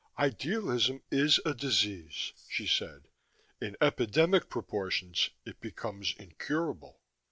"Idealism is a disease," she said. "In epidemic proportions, it becomes incurable."